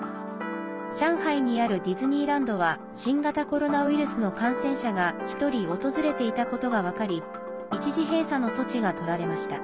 上海にあるディズニーランドは新型コロナウイルスの感染者が１人、訪れていたことが分かり一時閉鎖の措置がとられました。